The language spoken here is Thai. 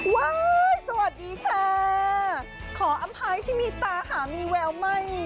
ว้ายสวัสดีค่ะขออภัยที่มีตาหามีแววไหม